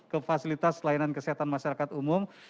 ke fasilitas layanan kesehatan masyarakat umum